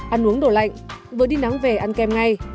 ăn uống đồ lạnh vừa đi nắng về ăn kem ngay